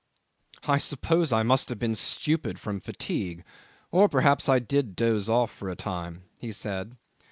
'"I suppose I must have been stupid with fatigue, or perhaps I did doze off for a time," he said.